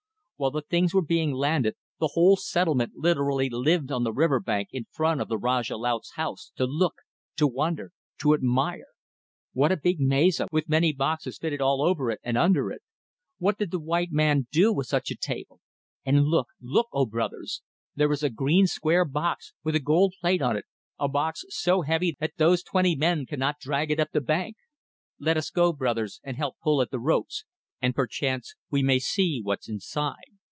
While the things were being landed, the whole settlement literally lived on the river bank in front of the Rajah Laut's house, to look, to wonder, to admire. ... What a big meza, with many boxes fitted all over it and under it! What did the white man do with such a table? And look, look, O Brothers! There is a green square box, with a gold plate on it, a box so heavy that those twenty men cannot drag it up the bank. Let us go, brothers, and help pull at the ropes, and perchance we may see what's inside.